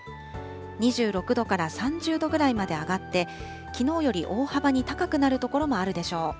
２６度から３０度ぐらいまで上がって、きのうより大幅に高くなる所もあるでしょう。